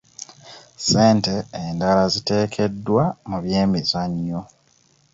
Ssente endala ziteekeddwa mu byemizannyo.